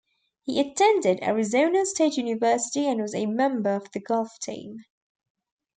He attended Arizona State University and was a member of the golf team.